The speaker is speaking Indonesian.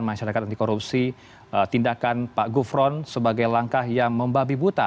masyarakat anti korupsi tindakan pak gufron sebagai langkah yang membabi buta